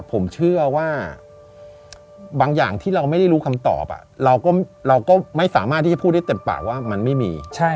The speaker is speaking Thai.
ผมเชื่อว่าบางอย่างที่เราไม่ได้รู้คำตอบเราก็ไม่สามารถที่จะพูดได้เต็มปากว่ามันไม่มี